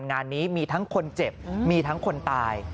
งานนี้มีทั้งคนเจ็บมีทั้งคนตาย